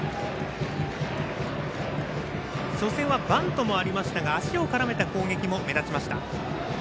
初戦はバントもありましたが足を絡めた攻撃も目立ちました。